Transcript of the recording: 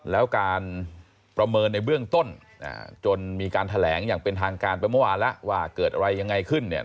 แล้วการประเมินในเบื้องต้นจนมีการแถลงอย่างเป็นทางการไปเมื่อวานแล้วว่าเกิดอะไรยังไงขึ้น